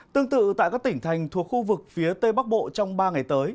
tương tự tại các tỉnh thành thuộc khu vực phía tây bắc bộ trong ba ngày tới